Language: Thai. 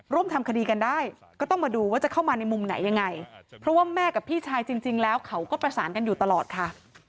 ทำคดีกันได้ก็ต้องมาดูว่าจะเข้ามาในมุมไหนยังไงเพราะว่าแม่กับพี่ชายจริงแล้วเขาก็ประสานกันอยู่ตลอดค่ะ